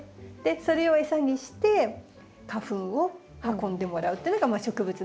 それを餌にして花粉を運んでもらうっていうのが植物の花の戦略なんです。